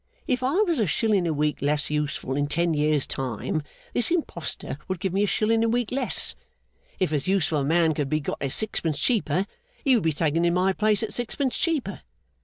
If I was a shilling a week less useful in ten years' time, this impostor would give me a shilling a week less; if as useful a man could be got at sixpence cheaper, he would be taken in my place at sixpence cheaper.